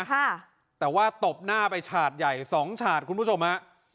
ค่ะแต่ว่าตบหน้าไปฉาดใหญ่สองฉาดคุณผู้ชมฮะ